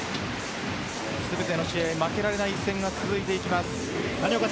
全ての試合、負けられない一戦が続いていきます。